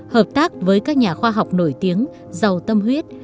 hợp tác với các nhà khoa học nổi tiếng giàu tâm huyết